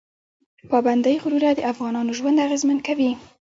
پابندی غرونه د افغانانو ژوند اغېزمن کوي.